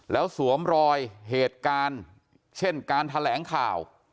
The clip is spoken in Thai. แล้วสวมรอยเหตุการณ์เช่นการแถลงข่าว